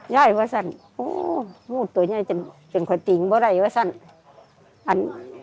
ย่ายว่าสันโอ้มูดตัวเนี้ยจึงจึงคอยติ่งเบาไหร่ว่าสันอัน